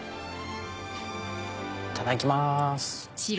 いただきます。